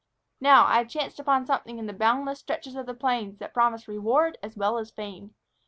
Now, I have chanced upon something in the boundless stretches of the plains that promises reward as well as fame.